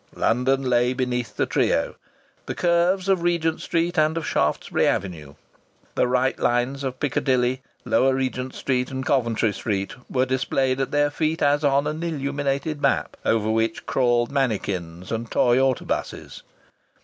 London lay beneath the trio. The curves of Regent Street and of Shaftesbury Avenue, the right lines of Piccadilly, Lower Regent Street and Coventry Street, were displayed at their feet as on an illuminated map, over which crawled mannikins and toy autobuses.